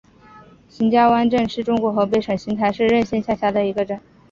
邢家湾镇是中国河北省邢台市任县下辖的一个镇。